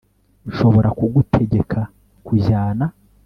Nshobora kugutegeka kujyana